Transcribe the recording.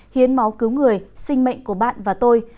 hiến máu cứu người sinh mệnh của bạn và tôi